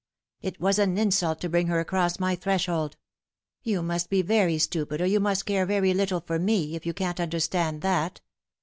It was an insult to bring her across my threshold. You must be very stupid, or you must care very little for me, if you can't understand that.